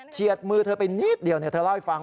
เชียดมือเธอไปนิดเดียวเนี้ยเธอเล่าให้ฟัง